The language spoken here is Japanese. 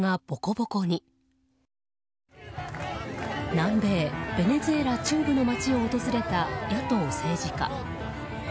南米ベネズエラ中部の町を訪れた、野党政治家。